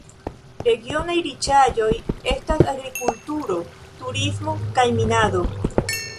Regionaj riĉaĵoj estas agrikulturo, turismo kaj minado.